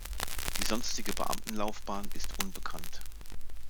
Die sonstige Beamtenlaufbahn ist unbekannt.